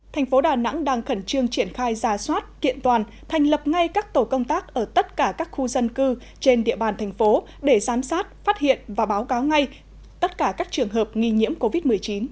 thành phố đà nẵng đang khẩn trương triển khai ra soát kiện toàn thành lập ngay các tổ công tác ở tất cả các khu dân cư trên địa bàn thành phố để giám sát phát hiện và báo cáo ngay tất cả các trường hợp nghi nhiễm covid một mươi chín